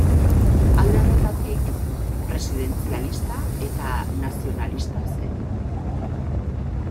Alde horretatik, presidentzialista eta nazionalista zen.